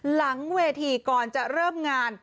หลังเวทีก่อนจะเริ่มงาน